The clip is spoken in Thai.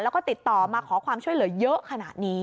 แล้วก็ติดต่อมาขอความช่วยเหลือเยอะขนาดนี้